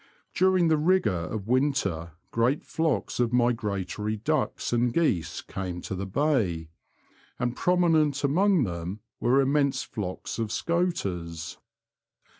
During the rigour of winter great flocks of migratory ducks and geese came to the bay, and prominent among them were immense flocks of scoters.